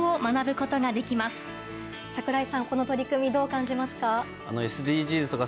この取り組み、どう感じますか？